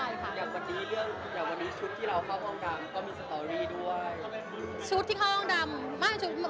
อย่างวันนี้ชุดที่เราเข้าห้องดำก็มีสตอรี่ด้วย